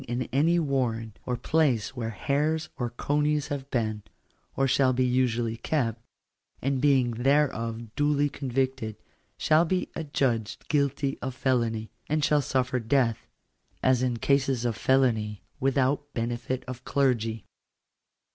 219 in any warren, or place where hares or conies have been, or shall be usually kept, and being thereof duly convicted, shall be adjudged guilty of felony, and shall suffer death, as in cases of felony, without benefit of clergy."